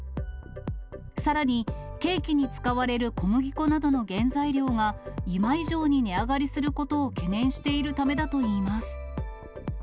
さらに、ケーキに使われる小麦粉などの原材料が、今以上に値上がりすることを懸念しているためだといいます。